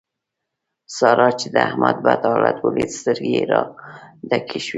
سارا چې د احمد بد حالت وليد؛ سترګې يې را ډکې شوې.